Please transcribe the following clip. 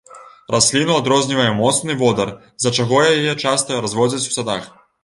Расліну адрознівае моцны водар, з-за чаго яе часта разводзяць у садах.